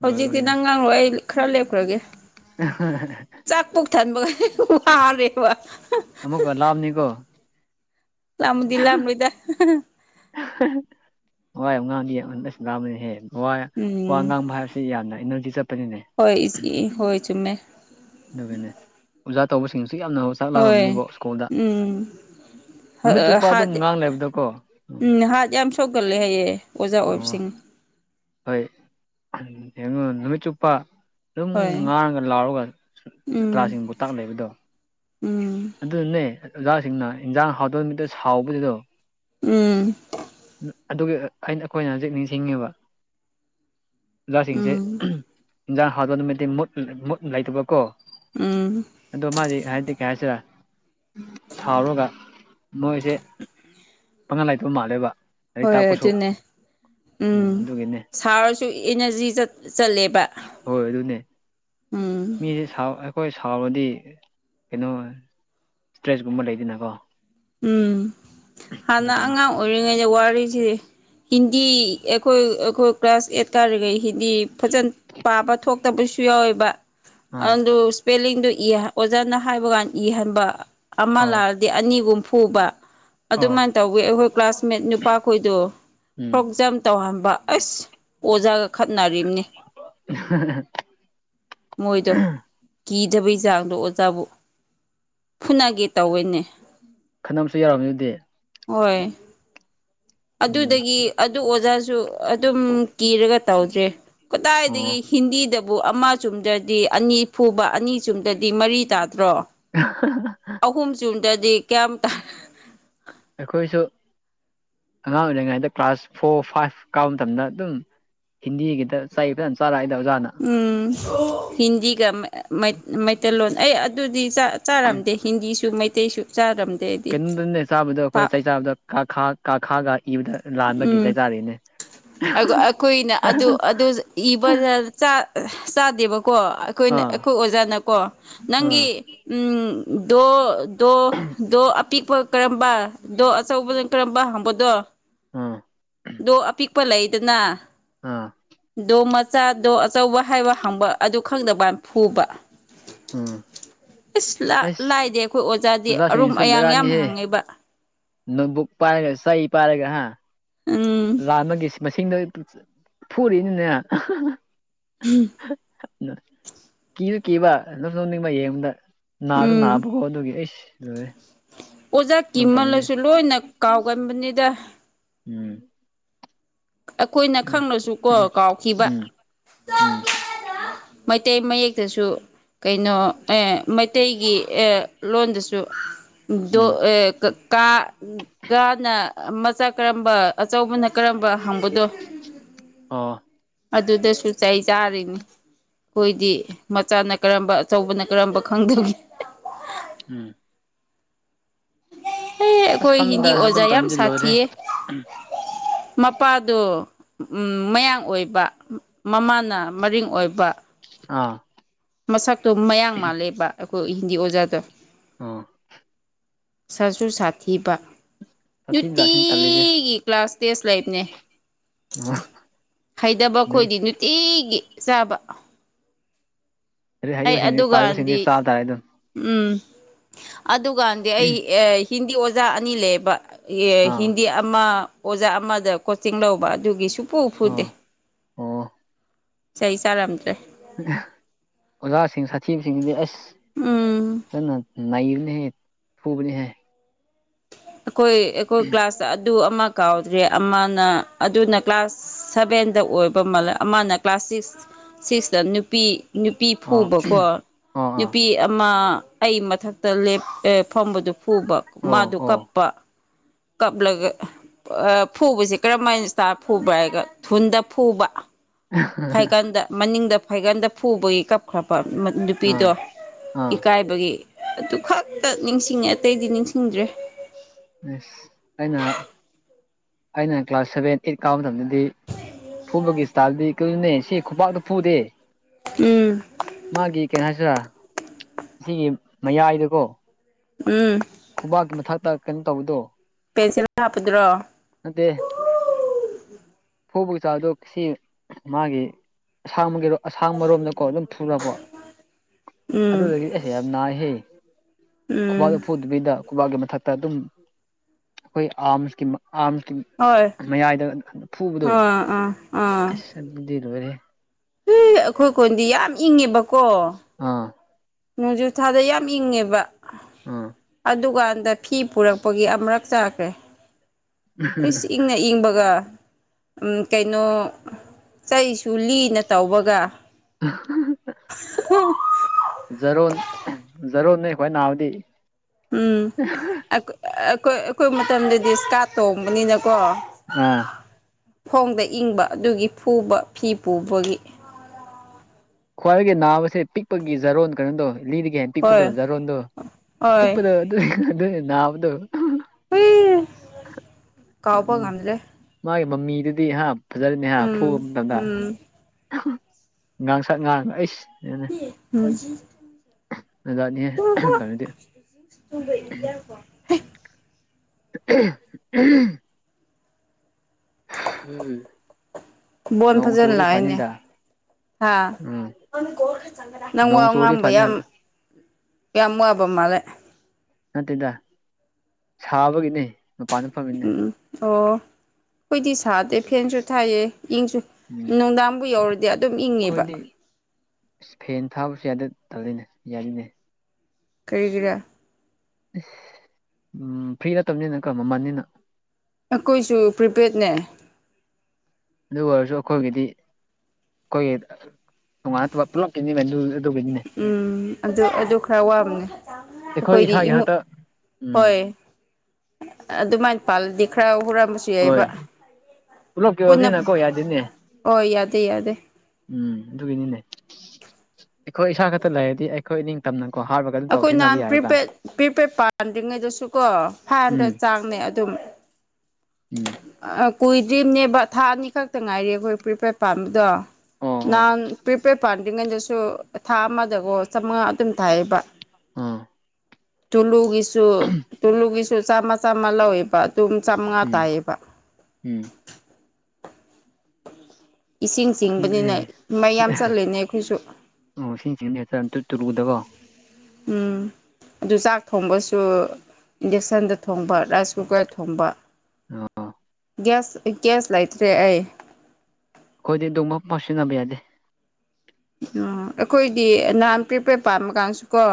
ꯍꯧꯖꯤꯛꯇꯤ ꯂꯣꯏꯕꯒꯤꯅꯦ ꯅꯪ ꯉꯥꯡꯂꯣ ꯑꯩ ꯈꯔ ꯂꯦꯞꯈ꯭ꯔꯒꯦ ꯆꯥꯛ ꯄꯨꯛ ꯊꯟꯕꯒꯩ ꯋꯥꯔꯦꯕ ꯑꯃꯨꯛꯀ ꯂꯥꯝꯅꯤꯀꯣ ꯂꯥꯝꯕꯗꯤ ꯂꯥꯝꯂꯣꯏꯗ ꯍ ꯋꯥ ꯌꯥꯝ ꯉꯥꯡꯗꯤ ꯌꯦꯉꯟꯗꯁ ꯂꯥꯡꯕꯅꯤꯍꯦ ꯋꯥꯏ ꯋꯥ ꯎꯝ ꯉꯥꯡꯕ ꯍꯥꯏꯕꯁꯤ ꯌꯥꯝꯅ ꯏꯅꯔꯖꯤ ꯆꯠꯄꯅꯤꯅꯦ ꯍꯣꯏ ꯏꯁ ꯏ ꯍꯣꯏ ꯆꯨꯝꯃꯦ ꯑꯗꯨꯒꯅꯦ ꯑꯣꯖꯥ ꯇꯧꯕꯁꯤꯡꯁꯨ ꯌꯥꯝꯅ ꯆꯥꯛ ꯍꯣꯏ ꯂꯥꯝꯃꯝꯅꯤꯕꯣ ꯁ꯭ꯀꯨꯜꯗ ꯎꯝ ꯅꯨꯃꯤꯠ ꯆꯨꯞꯄ ꯑꯗꯨꯝ ꯍꯥꯠ ꯉꯥꯡ ꯂꯩꯕꯗꯣꯀꯣ ꯎꯝ ꯊꯣꯛꯒꯜꯂꯦ ꯍꯥꯏꯌꯦ ꯑꯣꯖꯥ ꯑꯣ ꯑꯣꯏꯕꯁꯤꯡ ꯍꯣꯏ ꯌꯦꯡꯉꯣ ꯅꯨꯃꯤꯠ ꯆꯨꯞꯄ ꯑꯗꯨꯝ ꯍꯣꯏ ꯉꯥꯡꯔꯒ ꯂꯥꯎꯔꯒ ꯁꯥ ꯎꯝ ꯁꯥꯇ꯭ꯔꯥꯁꯤꯡꯕꯨ ꯇꯥꯛ ꯂꯩꯕꯗꯣ ꯎꯝ ꯑꯗꯨꯅꯦ ꯑꯣꯖꯥꯁꯤꯡꯅ ꯏꯟꯖꯥꯡ ꯍꯥꯎꯇꯕ ꯃꯤꯠꯇ ꯁꯥꯎꯕꯁꯤꯗꯣ ꯎꯝ ꯎꯝ ꯑꯗꯨꯒꯤ ꯑ ꯑꯩꯅ ꯑꯩꯈꯣꯏꯅ ꯍꯧꯖꯤꯛ ꯅꯤꯡꯁꯤꯡꯉꯤꯕ ꯑꯣꯖꯥꯁꯤꯡꯁꯦ ꯎꯝ ꯎꯍꯝ ꯏꯟꯖꯥꯡ ꯍꯥꯎꯇꯕ ꯅꯨꯃꯤꯠꯇꯤ ꯃꯨꯠ ꯃꯨꯠ ꯂꯩꯇꯕꯀꯣ ꯎꯝ ꯑꯗꯣ ꯃꯥꯗꯤ ꯍꯥꯏꯗꯤ ꯀꯩ ꯍꯥꯏꯁꯤꯔꯥ ꯁꯥꯎꯔꯒ ꯃꯣꯏꯁꯦ ꯄꯪꯒꯜ ꯂꯩꯥꯇꯕ ꯃꯥꯜꯂꯦꯕ ꯂꯥꯏꯔꯤꯛ ꯍꯣꯏ ꯇꯥꯛꯄꯁꯨ ꯑꯗꯨꯅꯦ ꯎꯝ ꯁꯥꯎꯔꯁꯨ ꯏꯅꯔꯖꯤ ꯆꯠꯂꯦꯕ ꯍꯣꯏ ꯑꯗꯨꯅꯦ ꯎꯝ ꯑꯩ ꯁꯥꯎ ꯑꯩꯈꯣꯏ ꯁꯥꯎꯔꯗꯤ ꯀꯩꯅꯣ ꯏꯁꯇ꯭ꯔꯦꯁꯀꯨꯝꯕ ꯂꯩꯗꯅꯀꯣ ꯎꯝ ꯍꯥꯟꯅ ꯑꯗꯨꯒꯤꯅꯤ ꯑꯉꯥꯡ ꯑꯣꯏꯔꯤꯉꯩꯗ ꯋꯥꯔꯤꯁꯤꯗꯤ ꯍꯤꯟꯗꯤ ꯑꯩꯈꯣꯏ ꯑꯩꯈꯣꯏ ꯀ꯭ꯂꯥꯁ ꯑꯦꯠ ꯀꯥꯔꯤꯒꯩ ꯍꯤꯟꯗꯤ ꯐꯖꯅ ꯄꯥꯕ ꯊꯣꯛꯇꯕꯁꯨ ꯌꯥꯎꯋꯦꯕ ꯑꯥ ꯑꯗꯨ ꯏꯁꯄꯦꯂꯤꯡꯗꯨ ꯑꯣꯖꯥꯅ ꯍꯥꯏꯕ ꯀꯥꯟꯗ ꯏꯍꯟꯕ ꯑꯃ ꯑꯥ ꯂꯥꯜ ꯑꯅꯤꯒꯨꯝ ꯐꯨꯕ ꯑꯥ ꯑꯗꯨꯃꯥꯏꯅ ꯇꯧꯋꯤ ꯑꯩꯈꯣꯏ ꯀ꯭ꯂꯥꯁꯃꯦꯠ ꯅꯨꯄꯥꯈꯣꯏꯗꯣ ꯎꯝ ꯐꯔꯣꯛ ꯖꯝ ꯇꯧꯍꯟꯕ ꯑꯁ ꯑꯣꯖꯥꯒ ꯈꯠꯅꯔꯤꯝꯅꯤ ꯃꯣꯏꯗꯣ ꯀꯤꯗꯕꯩ ꯆꯥꯡꯗꯣ ꯑꯣꯖꯥꯕꯨ ꯐꯨꯅꯒꯦ ꯇꯧꯋꯦꯅꯦ ꯈꯟꯅꯕꯁꯨ ꯌꯥꯔꯕꯅꯤ ꯑꯗꯨꯗꯤ ꯍꯣꯏ ꯎꯝ ꯑꯗꯨꯗꯒꯤ ꯑꯗꯨ ꯑꯣꯖꯥꯁꯨ ꯑꯗꯨꯝ ꯀꯤꯔꯒ ꯇꯧꯗ꯭ꯔꯦ ꯑꯣ ꯀꯗꯥꯏꯗꯒꯤ ꯍꯤꯟꯗꯤꯗ ꯑꯗꯨꯕꯨ ꯑꯃ ꯆꯨꯝꯗ꯭ꯔꯗꯤ ꯑꯅꯤ ꯐꯨꯕ ꯑꯅꯤ ꯆꯨꯝꯗ꯭ꯔꯗꯤ ꯃꯔꯤ ꯇꯥꯗ꯭ꯔꯣ [inaudible] ꯑꯍꯨꯝ ꯆꯨꯝꯕꯗꯗꯤ ꯀꯌꯥꯝ ꯑꯩꯈꯣꯏꯁꯨ ꯑꯉꯥꯡ ꯑꯣꯏꯔꯤꯉꯩꯗ ꯀ꯭ꯂꯥꯁ ꯐꯣꯔ ꯐꯥꯏꯚ ꯀꯥꯕ ꯃꯇꯝꯗ ꯑꯗꯨꯝ ꯍꯤꯟꯗꯤꯒꯤꯗ ꯆꯩ ꯐꯖꯅ ꯆꯥꯔꯛꯑꯏꯗ ꯑꯣꯖꯥꯅ ꯎꯝ ꯍꯤꯟꯗꯤꯒ ꯃꯩꯇꯩꯂꯣꯟ ꯑꯩ ꯑꯗꯨꯗꯤ ꯆꯥꯔꯝꯗꯦ ꯍꯤꯟꯗꯤꯁꯨ ꯃꯩꯇꯩꯁꯨ ꯆꯥꯔꯝꯗꯦ ꯀꯩꯅꯣꯝꯇꯗ ꯆꯥꯕꯗꯣ ꯑꯩꯈꯣꯏ ꯄꯥꯛ ꯆꯩ ꯆꯥꯕꯗ ꯀꯥꯈꯥ ꯀꯥꯈꯥꯒ ꯏꯕꯗ ꯂꯥꯟꯕꯒꯤ ꯎꯝ ꯆꯩ ꯆꯥꯔꯤꯅꯦ ꯏꯕꯗ ꯆꯥꯗꯦꯕꯀꯣ ꯑꯩꯈꯣꯏꯅ ꯑꯥ ꯑꯩꯈꯣꯏ ꯑꯣꯖꯥꯅꯀꯣ ꯑꯥ ꯅꯪꯒꯤ ꯗꯣ ꯗꯣ ꯗꯣ ꯑꯄꯤꯛꯄ ꯀꯔꯝꯕ ꯗꯣ ꯑꯆꯧꯕꯅꯣ ꯀꯔꯝꯕ ꯍꯪꯕꯗꯣ [unintelligible] ꯗꯣ ꯑꯄꯤꯛꯄ ꯂꯩꯗꯅ [unintelligible] ꯗꯣ ꯃꯆꯥꯗꯣ ꯑꯆꯧꯕ ꯍꯥꯏꯕ ꯍꯪꯕ ꯑꯗꯨ ꯈꯪꯗꯕ ꯐꯨꯕ ꯎꯝ ꯑꯁ ꯑꯩꯁ ꯂꯥꯏꯗꯦ ꯑꯩꯈꯣꯏ ꯑꯣꯖꯥꯗꯤ ꯑꯔꯨꯝ ꯑꯣꯖꯥꯁꯤꯡꯁꯨ ꯑꯌꯥꯡ ꯌꯥꯝ ꯍꯪꯉꯦꯕ ꯅꯣꯡꯠꯕꯨꯛ ꯄꯥꯏꯔꯒ ꯆꯩ ꯄꯥꯏꯔꯒ ꯍꯥ ꯎꯝ ꯂꯥꯟꯕꯒꯤ ꯃꯁꯤꯡꯗꯣ ꯐꯨꯔꯤꯅꯤꯅꯦ [unintelligible] [inaudible] ꯀꯤꯁꯨ ꯀꯤꯕ ꯑꯗꯨꯝ ꯅꯣꯛꯁꯨ ꯅꯣꯛꯅꯤꯡꯕ ꯌꯦꯡꯕꯗ ꯅꯥꯁꯨ ꯎꯝ ꯅꯥꯕꯀꯣ ꯑꯗꯨꯒꯤ ꯑꯩ ꯑꯣꯖꯥ ꯀꯤꯃꯜꯂꯁꯨ ꯂꯣꯏꯅ ꯀꯥꯎꯒꯟꯕꯅꯤꯗ ꯎꯝ ꯑꯩꯈꯣꯏꯅ ꯈꯪꯂꯁꯨ ꯀꯣ ꯀꯥꯎꯈꯤꯕ ꯎꯝ ꯎꯝ [unintelligible] ꯃꯩꯇꯩ ꯃꯌꯦꯛꯇꯁꯨ ꯀꯩꯅꯣ ꯃꯩꯇꯩꯒꯤ ꯂꯣꯟꯗꯁꯨ [unintelligible] ꯎꯝ ꯀꯥ ꯒꯥꯅ ꯃꯆꯥ ꯀꯔꯝꯕ ꯑꯆꯧꯕꯅ ꯀꯔꯝꯕ ꯍꯪꯕꯅꯣ [unintelligible] ꯑꯣ ꯑꯗꯨꯗꯁꯨ ꯆꯩ ꯆꯥꯔꯤꯅꯤ ꯑꯩꯈꯣꯏꯗꯤ ꯃꯆꯥꯅ ꯀꯔꯝꯕ ꯑꯆꯧꯕꯅ ꯀꯔꯝꯕ ꯈꯪꯗꯒꯤ [unintelligible] [inaudible] ꯑꯦ ꯑꯩꯈꯣꯏ ꯍꯤꯟꯗꯤ ꯑꯣꯖꯥ ꯌꯥꯝ [unintelligible] ꯂꯣꯏꯔꯦ ꯁꯥꯊꯤꯌꯦ ꯃꯄꯥꯗꯣ ꯃꯌꯥꯡ ꯑꯣꯏꯕ ꯃꯃꯥꯅ ꯃꯔꯤꯡ ꯑꯣꯏꯕ ꯑꯥ ꯃꯁꯛꯇꯣ ꯃꯌꯥꯡ ꯃꯥꯜꯂꯦꯕ ꯑꯩꯈꯣꯏ ꯍꯤꯟꯗꯤ ꯑꯣꯖꯥꯗꯣ ꯑꯥ ꯁꯥꯁꯨꯨ ꯁꯥꯊꯤꯕ ꯁꯥꯊꯤꯕ ꯖꯥꯠꯁꯤꯅꯤ ꯇꯜꯂꯤꯁꯦ ꯅꯨꯡꯇꯤꯒꯤ ꯀ꯭ꯂꯥꯁ ꯇꯦꯁ ꯂꯥꯏꯞꯅꯦ ꯍꯩꯗꯕ ꯈꯈꯣꯏꯗꯤ ꯂꯥꯏꯔꯤꯛ ꯅꯨꯡꯇꯤꯒꯤ ꯆꯥꯕ ꯑꯗꯨ ꯑꯩ ꯍꯥꯏꯩꯕꯁꯤꯡꯗꯤ ꯄꯥꯕꯁꯤꯡꯁꯤꯗꯤ ꯑꯗꯨꯀꯥꯟꯗꯤ ꯆꯥ ꯇꯥꯔꯦ ꯑꯗꯨꯝ ꯎꯝ ꯑꯗꯨꯀꯥꯟꯗꯤ ꯑꯩ ꯍꯤꯟꯗꯤ ꯑꯣꯖꯥ ꯑꯅꯤ ꯂꯩꯌꯦꯕ ꯑꯥ ꯍꯤꯟꯗꯤ ꯑꯃ ꯑꯣꯖꯥ ꯑꯃꯗ ꯀꯣꯆꯤꯡ ꯂꯧꯕ ꯑꯗꯨꯒꯤ ꯁꯨꯐꯨ ꯐꯨꯗꯦ ꯑꯥ ꯑꯣ ꯏꯁꯩ ꯆꯥꯔꯝꯗ꯭ꯔꯦ ꯑꯣꯖꯥꯁꯤꯡ ꯁꯥꯊꯤꯕꯁꯤꯡꯁꯤꯗꯤ ꯑꯁ ꯎꯝ ꯍꯅ ꯏꯕ ꯍꯥꯏ ꯊꯨꯕꯅꯤ ꯍꯥꯏ ꯑꯩꯈꯣꯏ ꯑꯩꯈꯣꯏ ꯀ꯭ꯂꯥꯁꯇ ꯑꯗꯨ ꯑꯃ ꯀꯥꯎꯗ꯭ꯔꯦ ꯑꯃꯅ ꯑꯗꯨꯅ ꯀ꯭ꯂꯥꯁ ꯁꯚꯦꯟꯗ ꯑꯣꯏꯕꯜꯂ ꯑꯃꯅ ꯀ꯭ꯂꯥꯁ ꯁꯤꯛꯁ ꯁꯤꯛꯁꯇ ꯅꯨꯄꯤ ꯅꯨꯄꯤ ꯑꯥ ꯐꯨꯕꯀꯣ ꯑꯥ ꯑꯥ ꯅꯨꯄꯤ ꯑꯃ ꯑꯩ ꯃꯊꯛꯇ ꯐꯝꯕꯗꯨ ꯐꯨꯕ ꯑꯣ ꯃꯥꯗꯨ ꯑꯣ ꯀꯞ ꯀꯞ꯭ꯂꯒ ꯐꯨꯕꯁꯤ ꯀꯔꯝꯥꯏꯅ ꯏꯁꯇꯥꯔ ꯐꯨꯕ꯭ꯔꯥ ꯍꯥꯏꯒ ꯊꯨꯟꯗ ꯐꯨꯕ ꯐꯥꯏꯒꯟꯗ ꯃꯅꯤꯡꯗ ꯐꯥꯏꯒꯟꯗ ꯐꯨꯕꯒꯤ ꯀ ꯈꯔ ꯑꯥ ꯅꯨꯄꯤꯗꯣ ꯑꯥ ꯏꯀꯥꯏꯕꯒꯤ ꯑꯗꯨ ꯈꯛꯇ ꯅꯤꯡꯁꯤꯡꯉꯦ ꯑꯇꯩꯗꯤ ꯅꯤꯡꯁꯤꯡꯗ꯭ꯔꯦ ꯑꯦꯁ ꯑꯩꯅ ꯑꯩꯅ ꯀ꯭ꯂꯥꯁ ꯁꯦꯚꯦꯟ ꯑꯩꯠ ꯀꯥꯎꯕꯗꯕ ꯐꯨꯕꯒꯤ ꯏꯁꯇꯥꯏꯜꯗꯤ ꯀꯩꯅꯦ ꯁꯤ ꯈꯨꯄꯥꯛꯥꯛꯇ ꯐꯨꯗꯦ ꯎꯝ ꯃꯥꯒꯤ ꯀꯩꯅꯣ ꯍꯥꯏꯁꯤꯔ ꯁꯤꯒꯤ ꯃꯌꯥꯏꯗꯨꯀꯣ ꯎꯝ꯫ ꯈꯨꯕꯥꯛꯀꯤ ꯃꯊꯛꯇ ꯀꯩꯅꯣ ꯇꯧꯕꯗꯣ꯫ ꯄꯦꯟꯁꯤꯜ ꯍꯥꯞꯄꯗꯨꯔꯣ꯫ ꯅꯠꯇꯦ꯫ ꯐꯨꯕꯕꯒꯤ ꯆꯥꯡꯗꯣ ꯁꯤ ꯃꯥꯒꯤ꯫ ꯑꯁꯥꯡꯕꯒꯤꯔꯣ ꯑꯁꯥꯡꯕꯔꯣꯝꯗꯀꯣ ꯑꯗꯨꯝ ꯐꯨꯔꯕꯣ ꯎꯝ ꯑꯗꯨꯗꯨꯒꯤ ꯑꯦ꯫ ꯌꯥꯝ ꯅꯥꯏꯍꯦ ꯈꯨꯕꯥꯛꯗ ꯎꯝ ꯐꯨꯗꯕꯤꯗ ꯈꯨꯕꯥꯛꯀꯤ ꯃꯊꯛꯇ ꯑꯗꯨꯝ ꯑꯩꯈꯣꯏ ꯑꯥꯃꯁꯀꯤ ꯑꯥꯃꯁꯁꯀꯤ ꯃꯌꯥꯏꯗ ꯑ ꯐꯨꯕꯗꯣ ꯑꯥ ꯑꯥ꯫ ꯑꯁ ꯑꯗꯨꯗꯤ ꯂꯣꯏꯔꯦ꯫ ꯑꯩꯈꯣꯏ ꯈꯨꯟꯗꯤ ꯌꯥꯝ ꯏꯪꯉꯦꯕꯀꯣ꯫ ꯑ꯫ ꯅꯣꯡꯖꯨꯊꯥꯗ ꯌꯥꯝ ꯏꯪꯉꯦꯕ꯫ ꯑꯥ꯫ ꯗꯨꯀꯥꯟꯗ ꯐꯤ ꯄꯨꯔꯛꯄꯒꯤ ꯑꯃꯨꯔꯛ ꯆꯥꯈ꯭ꯔꯦ ꯏꯁ ꯏꯪ ꯏꯪꯅ ꯏꯪꯕꯒ ꯀꯩꯅꯣ ꯆꯩꯁꯨ ꯂꯤꯅ ꯇꯧꯕꯒ [unintelligible] ꯖꯔꯣꯟ ꯖꯔꯣꯟꯅꯦ ꯈꯋꯥꯏ ꯅꯥꯕꯗꯤ꯫ ꯎꯝ ꯑ ꯑ ꯑꯈꯣꯏ ꯑꯩꯈꯣꯏ ꯃꯇꯝꯗꯗꯤ ꯏꯁꯀꯥꯠ ꯇꯣꯡꯕꯅꯤꯅꯀꯣ꯫ ꯑꯥ꯫ ꯈꯣꯡꯗ ꯏꯪꯕ ꯑꯗꯨꯒꯤ ꯐꯨꯕ ꯐꯤ ꯄꯨꯕꯒꯤ꯫ ꯈ꯭ꯋꯥꯏꯗꯒꯤ ꯅꯥꯕꯁꯦ ꯄꯤꯛꯄꯒꯤ ꯖꯥꯔꯣꯟ ꯀꯩꯅꯣꯗꯣ ꯂꯤꯗꯒꯤ ꯍꯦꯟꯅ ꯄꯤꯛꯄꯗꯣ ꯍꯣꯏ ꯖꯥꯔꯣꯟꯗꯣ ꯍꯣꯏ ꯄꯤꯛꯄꯗꯣ꯫ ꯑꯗꯨꯏ ꯅꯥꯕꯗꯨ ꯍꯨꯏ ꯀꯥꯎꯕ ꯎꯝ꯫ ꯉꯝꯗ꯭ꯔꯦ ꯃꯥꯏ ꯃꯃꯤꯗꯨꯗꯤ ꯍꯥ ꯐꯖꯔꯦꯅꯦ ꯍꯥ ꯐꯨꯕ ꯎꯝ ꯃꯇꯝꯗ ꯎꯝ ꯉꯥꯡꯁꯪ ꯉꯥꯡꯉ ꯑꯩꯁꯅꯦ꯫ ꯎꯝ [unintelligible] ꯖꯥꯠ ꯖꯥꯠꯅꯤꯍꯦ ꯇꯧꯔꯤꯖꯦ꯫ [unintelligible] [unintelligible] ꯎꯝ꯫ ꯕꯣꯟ ꯐꯖꯅ ꯂꯥꯛꯑꯦꯅꯦ꯫ ꯍꯥ ꯎꯝ [unintelligible] ꯅꯪ ꯋꯥ ꯅꯣꯡ ꯆꯨꯔꯗꯤ ꯉꯥꯡꯕ ꯐꯅꯤ ꯌꯥꯝ ꯍꯥꯏꯕ ꯌꯥꯝ ꯋꯥꯕ ꯃꯥꯜꯂꯦ꯫ ꯅꯠꯇꯦꯗ ꯁꯥꯕꯒꯤꯅꯦ꯫ ꯎꯝ ꯑꯣ ꯑꯩꯈꯣꯏꯗꯤ ꯁꯥꯗꯦ ꯐꯦꯟꯁꯨ ꯊꯥꯏꯌꯦ ꯏꯪꯁꯨ ꯎꯝ ꯅꯨꯡꯗꯥꯡꯕꯨ ꯌꯧꯔꯗꯤ ꯑꯗꯨꯝ ꯏꯪꯉꯦꯕ꯫ ꯑꯩꯈꯣꯏꯗꯤ ꯑꯁ ꯐꯦꯟ ꯊꯥꯕꯁꯨ ꯌꯥꯗꯦ ꯇꯧꯔꯤꯅꯦ ꯌꯥꯔꯤꯅꯦ꯫ ꯀꯩꯒꯤꯔꯥ꯫ ꯏꯁ ꯎꯝ ꯐ꯭ꯔꯤ ꯅꯠꯇꯕꯅꯤꯅ ꯀꯣ ꯃꯃꯟꯅꯤꯅ꯫ ꯑꯩꯈꯣꯏꯁꯨ ꯄ꯭ꯔꯤꯄꯦꯗꯅꯦ꯫ ꯑꯗꯨ ꯑꯣꯏꯔꯁꯨ ꯑꯩꯈꯣꯏꯒꯤꯗꯤ ꯑꯩꯈꯣꯏꯒꯤ ꯇꯣꯉꯥꯟꯅ ꯇꯣꯉ ꯄꯨꯂꯞ ꯀꯤꯅꯤ ꯑꯗꯨ ꯑꯗꯨꯒꯤꯅꯤꯅꯦ ꯎꯝ ꯑꯗꯨ [unintelligible] ꯑꯗꯨ ꯈꯔ ꯋꯥꯕꯅꯦ ꯑꯩꯈꯣꯏ ꯑꯩꯈꯣꯏꯗꯤ ꯏꯁꯥꯒꯤ ꯏꯃꯨꯛ ꯈꯛꯇ ꯎꯝ ꯍꯣꯏ ꯑꯗꯨꯃꯥꯏꯅ ꯄꯥꯜꯂꯗꯤ ꯈꯔ ꯍꯨꯔꯥꯝꯕꯁꯨ ꯍꯣꯏ ꯗꯦꯕ ꯄꯨꯂꯞꯀꯤ ꯄꯨꯟꯅ ꯑꯣꯏꯕꯅꯤꯅꯀꯣ ꯌꯥꯗꯦꯅꯦ [unintelligible] ꯑꯣꯏ ꯌꯥꯗꯦ ꯌꯥꯗꯦ꯫ ꯎꯝ ꯑꯗꯨꯒꯤꯅꯤꯅꯦ ꯑꯩꯈꯣꯏ ꯏꯁꯥ ꯈꯛꯇ ꯂꯩꯔꯗꯤ ꯑꯩꯈꯣꯏ ꯅꯤꯡ ꯇꯝꯅꯀꯣ ꯍꯥꯏꯕꯒ ꯑꯩꯈꯣꯏ ꯅꯍꯥꯟ ꯄ꯭ꯔꯤꯄꯦꯗ ꯄ꯭ꯔꯤꯄꯦꯗ ꯄꯥꯟꯗ꯭ꯔꯤꯉꯩꯗꯁꯨꯀꯣ ꯐꯥꯏꯟꯗ ꯎꯝ ꯆꯥꯡꯅꯦ ꯑꯗꯨꯝ꯫ ꯎꯝ ꯀꯨꯏꯗ꯭ꯔꯤꯝꯅꯦꯕ ꯊꯥ ꯑꯅꯤ ꯈꯛꯇ ꯉꯥꯏꯔꯤ ꯑꯩꯈꯣꯏ ꯄ꯭ꯔꯤꯄꯦꯗ ꯄꯥꯟꯕꯗꯣ꯫ ꯑꯣ ꯑꯣ ꯅꯍꯥꯟ ꯄ꯭ꯔꯤꯄꯦꯗ ꯄꯥꯥꯟꯗ꯭ꯔꯤꯉꯩꯗꯁꯨ ꯊꯥ ꯑꯃꯗꯒꯣ ꯆꯥꯃꯉꯥ ꯑꯗꯨꯝ ꯊꯥꯏꯌꯦꯕ꯫ ꯎꯝ꯫ ꯇꯨꯂꯨꯒꯤꯁꯨ ꯇꯨꯂꯨꯒꯤꯁꯨ ꯆꯥꯝꯃ ꯆꯥꯝꯃ ꯂꯧꯋꯦꯕ ꯑꯗꯨꯝ ꯆꯥꯝꯃ ꯎꯝ ꯎꯝ ꯏꯁꯤꯡ ꯈꯪꯗ꯭ꯔꯦ ꯆꯤꯡꯕꯅꯤꯅ ꯃꯩ ꯌꯥꯝ ꯆꯠꯂꯦꯅꯦ ꯑꯩꯈꯣꯏꯁꯨ ꯑꯣ ꯁꯤꯁꯤꯡꯅ ꯍꯦꯝꯇ ꯇꯨꯔꯨꯗꯀꯣ ꯎꯝ ꯑꯗꯨ ꯆꯥꯛ ꯊꯣꯡꯕꯁꯨ ꯏꯟꯗꯛꯁꯟꯗ ꯊꯣꯡꯕ ꯔꯥꯏꯁ ꯀꯨꯀꯔꯗ ꯊꯣꯡꯕ ꯑꫭ ꯒ꯭ꯌꯥꯁ ꯒ꯭ꯌꯥꯁ ꯂꯩꯇ꯭ꯔꯦ ꯑꯩ ꯑꯩꯈꯣꯏꯗꯤ ꯑꯗꯨꯨꯝꯕ ꯄꯥꯎꯁꯤꯟꯅꯕ ꯌꯥꯗꯦ ꯎꯝ ꯑꯩꯈꯣꯏꯗꯤ ꯅꯍꯥꯟ ꯄ꯭ꯔꯤꯄꯦꯌꯔ ꯄꯥꯝꯕ ꯀꯥꯟꯁꯨ ꯀꯣ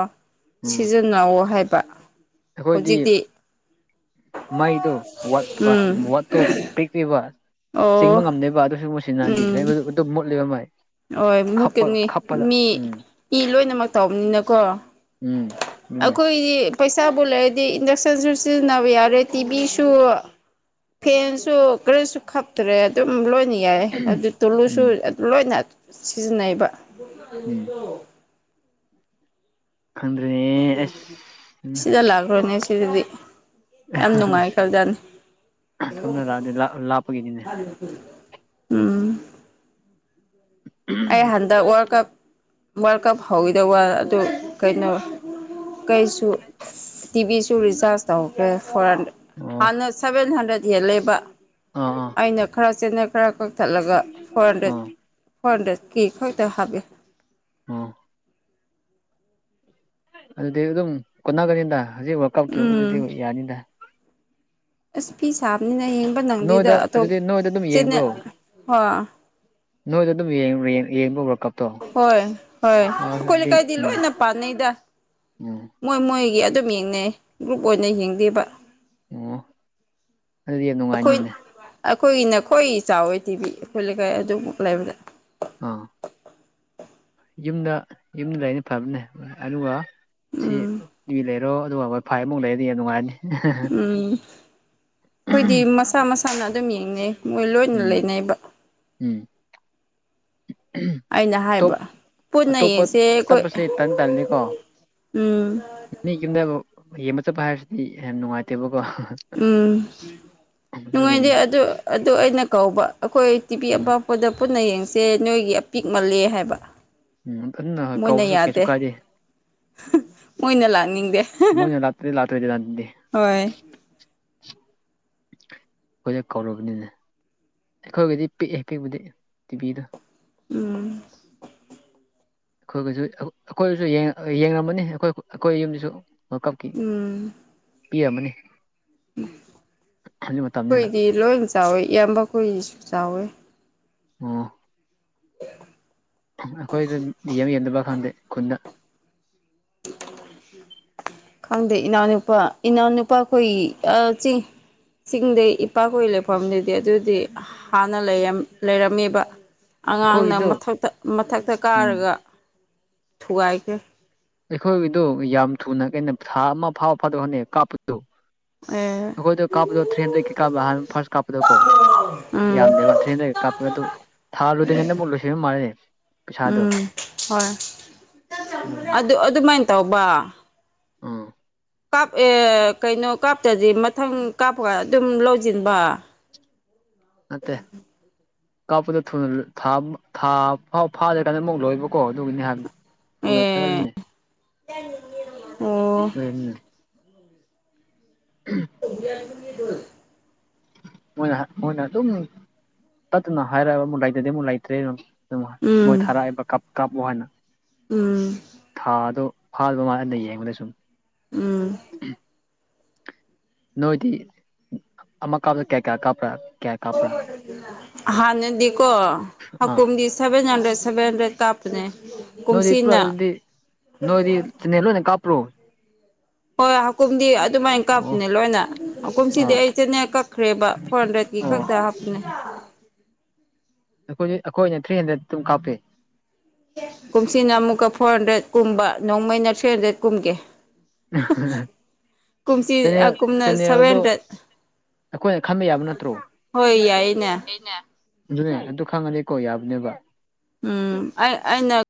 ꯎꯝ ꯁꯤꯖꯤꯅꯥꯎ ꯍꯥꯏꯕ ꯑꯩꯈꯣꯏꯗꯤ ꯍꯧꯖꯤꯛꯇꯤ ꯃꯩꯗꯣ ꯎꯝ ꯋꯥꯠꯇꯣ ꯄꯤꯛꯂꯤꯕ ꯆꯤꯡꯕ ꯑꯣ ꯉꯝꯗꯕ ꯑꯗꯨꯁꯨ ꯃꯨꯁꯤꯅꯗꯤ ꯎꯝ ꯂꯩꯕꯗꯨ ꯑꯗꯨꯝ ꯃꯨꯠꯂꯤꯕ ꯃꯩ ꯍꯣꯏ ꯃꯨꯠꯀꯅꯤ ꯃꯤ ꯏ ꯂꯣꯏꯅꯃꯛ ꯇꯧꯕꯅꯤꯅꯀꯣ ꯎꯝ ꯑꯗꯨꯅꯦ ꯑꯩꯈꯣꯏꯗꯤ ꯄꯩꯁꯥꯕꯨ ꯂꯩꯔꯗꯤ ꯏꯟꯗꯛꯁꯟꯁꯨ ꯁꯤꯖꯤꯟꯅꯕ ꯌꯥꯔꯦ ꯇꯤꯚꯤꯁꯨ ꯐꯦꯟꯁꯨ ꯀ꯭ꯔꯦꯁꯨ ꯈꯞ ꯇ꯭ꯔꯦ ꯑꯗꯨꯝ ꯂꯣꯏꯅ ꯌꯥꯏ ꯑꯗꯨ ꯇꯨꯂꯨꯁꯨ ꯎꯝ ꯑꯗꯨ ꯂꯣꯏꯅ ꯁꯤꯖꯤꯟꯅꯩꯕ ꯎꯝ ꯗꫭ ꯈꯪꯗ꯭ꯔ‌ꯦꯅꯦ ꯁꯤꯗ ꯂꯥꯛꯈ꯭ꯔꯣꯅꯦ ꯁꯤꯗꯗꯤ ꯌꯥꯝ ꯅꯨꯡꯉꯥꯏ ꯈꯔꯖꯥꯠꯅꯤ ꯁꯣꯝꯗ ꯂꯥꯛꯑꯗꯤ ꯂꯥꯞꯄꯒꯤꯅꯤꯅꯦ ꯎꯝ ꯑꯩ ꯍꯟꯗꯛ ꯋꯥꯔꯜ ꯀꯞ ꯋꯥꯔꯜ ꯀꯞ ꯍꯧꯋꯤꯗꯧꯕ ꯑꯗꯨ ꯀꯩꯅꯣ ꯀꯩꯁꯨ ꯇꯤꯚꯤꯁꯨ ꯔꯤꯆꯥꯔꯖ ꯇꯧꯈ꯭ꯔꯦ ꯐꯣꯜ ꯑꯣ ꯍꯥꯟꯅ ꯁꯚꯦꯟ ꯍꯟꯗ꯭ꯔꯦꯗ ꯍꯦꯜꯂꯦꯕ ꯑꯥ ꯑ ꯑꯩꯅ ꯈꯔ ꯆꯦꯦꯅꯦꯅ ꯈꯔ ꯀꯛꯊꯠꯂꯒ ꯐꯣꯔ ꯍꯟꯗ꯭ꯔꯦꯠ ꯑꯥ ꯐꯣꯔ ꯍꯟꯗ꯭ꯔꯦꯠꯀꯤ ꯈꯛꯇ ꯍꯥꯞꯄ‌ꯦ ꯑꯣ ꯑꯗꯨꯗꯤ ꯑꯗꯨꯝ ꯀꯣꯟꯅꯒꯅꯤꯗ ꯍꯧꯖꯤꯛ ꯋꯥꯔ ꯀꯥꯞꯒꯤ ꯑꯗꯨꯗꯤ ꯎꯝ ꯌꯥꯅꯤꯗ ꯑꯁ ꯐꯤ ꯁꯥꯕꯅꯤꯅ ꯌꯦꯡꯕ ꯅꯪꯗꯦꯗ ꯅꯣꯏꯗ ꯑꯇꯣꯞ ꯑꯗꯨꯗꯤ ꯅꯣꯏꯗ ꯑꯗꯨꯝ ꯆ‌ꯦ ꯌꯦꯡꯕ꯭ꯔꯣ ꯍꯣꯏ ꯅꯣꯏꯗ ꯑꯗꯨꯝ ꯌꯦꯡꯕ ꯋꯔꯀꯞ ꯍꯣꯏ ꯍꯣꯏ ꯑꯩꯈꯣꯏ ꯂꯩꯀꯥꯏꯗꯤ ꯅꯨꯡꯉꯥꯏ ꯂꯣꯏꯅ ꯄꯥꯅꯩꯗ ꯎꯝ ꯃꯣꯏ ꯃꯣꯏꯒꯤ ꯑꯗꯨꯝ ꯌꯦꯡꯅꯩ ꯒ꯭ꯔꯨꯞ ꯑꯣꯏꯅ ꯌꯦꯡꯗꯦꯕ ꯑꫭ ꯑꯩꯈꯣꯏ ꯑꯩꯈꯣꯏꯒꯤꯅ ꯈꯣꯏ ꯆꯥꯎꯋꯦ ꯇꯤꯚꯤ ꯑꯩꯈꯣꯏ ꯂꯩꯀꯥꯏ ꯑꯗꯨꯃꯨꯛ ꯂꯩꯕꯗ ꯑꯥ ꯌꯨꯝꯗ ꯌꯨꯝꯗ ꯂꯩꯕꯅ ꯐꯕꯅꯦ ꯑꯗꯨꯒ ꯁꯤ ꯎꯝ ꯇꯤꯕꯤ ꯂꯩꯔꯣ ꯑꯗꯨꯒ ꯋꯥꯢ ꯐꯥꯏ ꯑꯃꯨꯛ ꯂꯩꯔꯗꯤ ꯌꯥꯝ ꯅꯨꯉꯥꯏꯔꯅꯤ ꯎꯝ ꯑꯩꯈꯣꯏꯗꯤ ꯃꯁꯥ ꯃꯁꯥꯅ ꯑꯗꯨꯝ ꯌꯦꯡꯅꯩ ꯃꯣꯏ ꯂꯣꯏꯅ ꯎꯝ ꯂꯩꯅꯩꯕ ꯎꯝ ꯑꯩꯅ ꯑꯇꯣꯞ ꯍꯥꯏꯕ ꯄꯨꯟꯅ ꯑꯇꯣꯞꯄ ꯌꯦꯡꯁꯦ ꯑꯩꯈꯣꯏ ꯇꯞꯄꯁꯦ ꯇꯟ ꯇꯜꯂꯤꯀꯣ ꯎꯝ ꯃꯤ ꯌꯨꯝꯗ ꯌꯦꯡꯕ ꯆꯠꯄ ꯍꯥꯏꯕꯁꯤꯗꯤ ꯌꯥꯝ ꯅꯨꯡꯉꯥꯏꯇꯦꯕꯀꯣ ꯎꯝ ꯅꯨꯡꯉꯥꯏꯗꯦ ꯑꯗꯨꯒꯤꯅꯤ ꯑꯗꯨ ꯑꯗꯨ ꯑꯩꯅ ꯀꯧꯕ ꯑꯩꯈꯣꯏ ꯇꯤꯚꯤ ꯎꯝ ꯑꯄꯥꯛꯄꯗ ꯄꯨꯟꯅ ꯌꯦꯡꯁꯦ ꯅꯣꯏꯒꯤ ꯑꯄꯤꯛ ꯃꯜꯂꯦ ꯍꯥꯏꯕ ꯎꯝ ꯑꯗꯨꯅ ꯃꯣꯏꯅ ꯀꯧꯕꯁꯨ ꯀꯩꯁꯨ ꯌꯥꯗꯦ ꯀꯥꯏꯗꯦ ꯃꯣꯏꯅ ꯂꯥꯛꯅꯤꯡꯗꯦ ꯃꯣꯏꯅ ꯂꯥꯛꯇꯔꯗꯤ ꯂꯥꯛꯇꯔꯦꯗꯅ ꯑꯗꯨꯗꯤ ꯍꯣꯏ [unintelligible] ꯑꯩꯈꯣꯏꯗ ꯀꯧꯔꯕꯅꯤꯅꯦ ꯑꯩꯈꯣꯏꯒꯤꯗꯤ ꯄꯤꯛꯑꯦ ꯄꯤꯛꯄꯗꯤ ꯇꯤꯚꯤꯗꯣ ꯎꯝ ꯑꯩꯈꯣꯏꯒꯁꯨ ꯑꯩꯈꯣꯏꯁꯨ ꯌꯦꯡ ꯌꯦꯡꯉꯝꯃꯅꯤ ꯑꯩꯈꯣꯏ ꯑꯩꯈꯣꯏ ꯌꯨꯝꯗꯁꯨ ꯋꯥꯀꯞꯀꯤ ꯎꯝ ꯄꯤꯑꯝꯃꯅꯤ ꯎꯝ ꯈꯣꯏꯗꯤ ꯂꯣꯏꯅ ꯆꯥꯎꯋꯦ ꯏꯌꯥꯝꯕ ꯈꯣꯏꯒꯤꯁꯨ ꯆꯥꯎꯋꯦ ꯑꯣ ꯑꯩꯈꯣꯏꯗ ꯌꯥꯝ ꯌꯦꯟꯗꯕ ꯈꯪꯗꯦ ꯈꯨꯟꯗ ꯈꯪꯗꯦ ꯏꯅꯥꯎꯅꯨꯄꯥ ꯏꯅꯥꯎꯅꯨꯄꯥꯈꯣꯏ ꯑ ꯆꯤꯡ ꯆꯤꯡꯗꯩ ꯏꯄꯥꯈꯣꯏ ꯂꯩꯐꯝꯗꯨꯗꯤ ꯑꯗꯨꯗꯤ ꯍꯥꯟꯅ ꯂꯩꯔꯝ ꯂꯩꯔꯝꯃꯦꯕ ꯑꯉꯥꯡꯅ ꯑꯩꯈꯣꯏꯒꯤꯗꯨ ꯃꯊꯛꯇ ꯃꯊꯛꯇ ꯎꯝ ꯀꯥꯔꯒ ꯊꯨꯒꯥꯏꯈ꯭ꯔꯦ ꯑꯩꯈꯣꯏꯒꯤꯗꯨ ꯌꯥꯝ ꯊꯨꯅ ꯀꯩꯅꯣ ꯊꯥ ꯑꯃ ꯐꯥꯕ ꯐꯥꯗꯕ ꯈꯪꯗꯦ ꯀꯥꯞꯄ ꯗꯨ ꯑꯦ ꯑꯈꯣꯏꯗꯣ ꯀꯥꯞꯄꯗꯣ ꯊ꯭ꯔꯤꯍꯟꯗ꯭ꯔꯦꯠꯀꯤ ꯀꯥꯞꯄ ꯍꯥꯟꯅ ꯐꯥꯔꯁ ꯀꯥꯞꯄꯗꯣꯀꯣ ꯎꯝ ꯌꯥꯝꯗꯦꯕ ꯊ꯭ꯔꯤ ꯍꯟꯗ꯭ꯔꯦꯠꯒ ꯀꯥꯞꯄꯗꯨ ꯊꯥ ꯂꯣꯏꯗ‍꯭ꯔꯤꯉꯩꯗꯃꯨꯛ ꯂꯣꯏꯁꯤꯟꯕ ꯃꯥꯜꯂꯦ ꯄꯩꯁꯥꯗꯣ ꯎꯝ ꯍꯣꯏ ꯑꯗꯨꯒꯤꯅꯤ ꯑꯗꯨ ꯑꯗꯨꯃꯥꯏꯅ ꯇꯧꯕ ꯑꯥ ꯀꯥꯞ ꯑꯦ ꯀꯩꯅꯣ ꯀꯥꯞꯇꯗꯤ ꯃꯊꯪ ꯀꯥꯞꯄꯒ ꯑꯗꯨꯝ ꯂꯧꯖꯤꯟꯕ ꯅꯠꯇꯦ ꯀꯥꯞꯄꯗꯣ ꯊꯨꯅ ꯊꯥ ꯑꯝ ꯊꯥ ꯐꯥꯎ ꯐꯥꯗ꯭ꯔꯤꯀꯥꯟꯗ ꯑꯃꯨꯛ ꯂꯣꯏꯕꯀꯣ ꯑꯗꯨꯒꯤꯅꯤ ꯍꯥꯏꯕꯅꯤ ꯎꯅ ꯇ꯭ꯔꯟꯅꯦ [inaudible] ꯂꯩꯅꯤ [inaudible] ꯎꯝ ꯎꯝ [inaudible] [inaudible] ꯃꯣꯏꯅ ꯃꯣꯏꯅ ꯑꯗꯨꯝ ꯇꯠꯇꯅ ꯍꯥꯏꯔꯛꯑ ꯑꯃꯨꯛ ꯂꯩꯇ꯭ꯔꯗꯤ ꯂꯩꯇ꯭ꯔꯦ ꯑꯗꯨꯝ ꯑꯗꯃꯥꯟ ꯎꯝ ꯃꯣꯏ ꯊꯥꯔꯛꯑꯦꯕ ꯀꯥꯞ ꯀꯥꯞꯄꯨ ꯍꯥꯏꯅ ꯎꯝ ꯊꯥꯗꯣ ꯐꯥꯔꯕ ꯃꯥꯟꯗꯦ ꯌꯦꯡꯂꯁꯨꯝ ꯎꯝ ꯅꯣꯏꯗꯤ ꯑꯃ ꯀꯥꯞꯗ ꯀꯌꯥ ꯀꯌꯥ ꯀꯥꯞꯄ꯭ꯔꯥ ꯀꯌꯥ ꯀꯥꯞꯄ꯭ꯔꯥ ꯍꯥꯟꯅꯗꯤꯀꯣ ꯑꯥ ꯍꯀꯨꯨꯝꯗꯤ ꯁꯕꯦꯟ ꯍꯟꯗ꯭ꯔꯦꯠ ꯁꯕꯦꯟ ꯍꯟꯗ꯭ꯔꯦꯠ ꯀꯥꯞꯄꯅꯦ ꯅꯣꯏꯗꯤ ꯄꯨꯔꯥ ꯀꯨꯝꯁꯤꯅ ꯑꯗꯨꯗꯤ ꯅꯣꯏꯗꯤ ꯆꯤꯅꯦꯟ ꯂꯣꯏꯅ ꯀꯥꯞꯄ꯭ꯔꯣ ꯍꯣꯏ ꯍꯀꯨꯝꯗꯤ ꯑꯗꯨꯃꯥꯏ ꯑꯣ ꯀꯥꯞꯄꯅꯦ ꯂꯣꯏꯅ ꯀꯨꯝꯁꯤꯗꯤ ꯑꯥ ꯑꯩ ꯁꯤꯅꯦ ꯀꯛꯈ꯭ꯔꯦꯕ ꯐꯣꯔ ꯍꯟꯗ꯭ꯔꯦꯠꯀꯤ ꯑꯣ ꯈꯛꯇ ꯍꯥꯞꯄꯅꯦ ꯑꯩꯈꯣꯏꯗꯤ ꯑꯩꯈꯣꯏꯅ ꯊ꯭ꯔꯤꯍꯟꯗ꯭ꯔꯦꯠ ꯑꯗꯨꯝ ꯀꯥꯞꯄꯦ ꯀꯨꯝꯁꯤꯅ ꯑꯃꯨꯛꯀ ꯐꯣꯔꯍꯟꯗ꯭ꯔꯦꯠ ꯀꯨꯝꯕ ꯅꯣꯡꯃꯩꯅ ꯊ꯭ꯔꯤꯍꯟꯗ꯭ꯔꯦꯠ ꯀꯨꯝꯒꯦ ꯎ [unintelligible] ꯀꯨꯝꯁꯤ ꯑꯀꯨꯝꯅ ꯁꯚꯦꯟꯍꯟꯗ꯭ꯔꯦꯠ ꯑꯩꯈꯣꯏꯅ ꯈꯟꯕ ꯌꯥꯕ ꯅꯠꯇ꯭ꯔꯣ ꯍꯣꯏ ꯌꯥꯏꯌꯦꯅꯦ ꯑꯗꯨꯅꯦ ꯑꯗꯨ ꯈꯪꯉꯗꯤꯀꯣ ꯌꯥꯕꯅꯦꯕ ꯎꯝ ꯑꯩ ꯑꯩꯅ